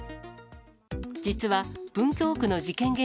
実は文京区の事件